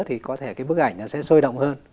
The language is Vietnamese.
thì có thể cái bức ảnh nó sẽ sôi động hơn